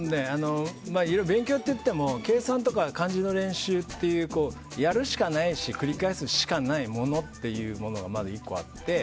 いろいろ勉強といっても計算とか漢字の勉強とかやるしかないし繰り返すしかないものというのがまず１個あって。